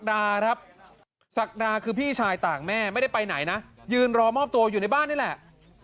ดาครับศักดาคือพี่ชายต่างแม่ไม่ได้ไปไหนนะยืนรอมอบตัวอยู่ในบ้านนี่แหละ